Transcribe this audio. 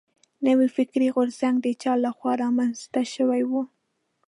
نوی فکري غورځنګ د چا له خوا را منځ ته شوی و.